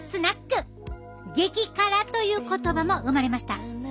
「激辛」という言葉も生まれました。